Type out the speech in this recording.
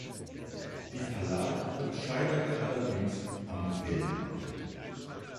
Die Verlagerung scheiterte allerdings am Geldmangel.